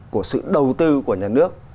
của sự đầu tư của nhà nước